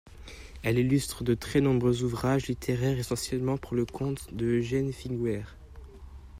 Elle illustre de très nombreux ouvrages littéraires essentiellement pour le compte de Eugène Figuière.